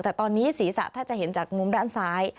แต่ตอนนี้ศีรษะถ้าจะเห็นจากมุมด้านซ้าย